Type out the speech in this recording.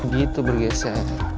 nah begitu bergeser